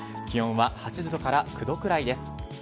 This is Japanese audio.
気温は８度から９度くらいです。